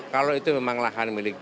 kalau itu memang lahan milik